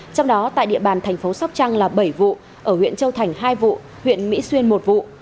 trong đó tại địa bàn thành phố sóc trăng là bảy vụ ở huyện châu thành hai vụ huyện mỹ xuyên một vụ